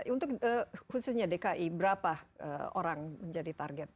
untuk khususnya dki berapa orang menjadi target